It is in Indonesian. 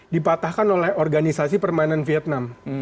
dipatahkan oleh organisasi permainan vietnam